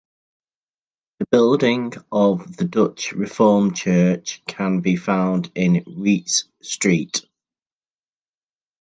The building of the Dutch Reformed Church can be found in Reitz Street.